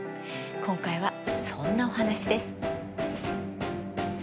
今回はそんなお話です。